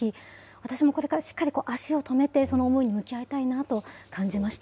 私もこれからしっかり、足を止めて、その思いに向き合いたいなと感じました。